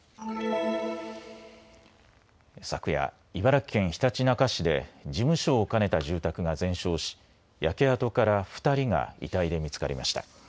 昨夜、茨城県ひたちなか市で事務所を兼ねた住宅が全焼し焼け跡から２人が遺体で見つかりました。